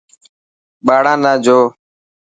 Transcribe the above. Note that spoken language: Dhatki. ٻاڙا نا جو.